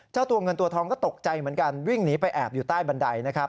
ตัวเงินตัวทองก็ตกใจเหมือนกันวิ่งหนีไปแอบอยู่ใต้บันไดนะครับ